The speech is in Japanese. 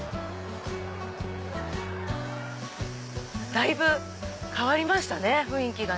だいぶ変わりましたね雰囲気が。